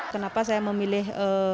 kenapa saya memilih